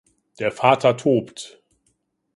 Der Vater tobt.